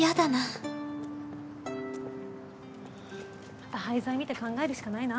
あと廃材見て考えるしかないな。